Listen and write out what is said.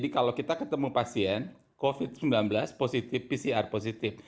kalau kita ketemu pasien covid sembilan belas positif pcr positif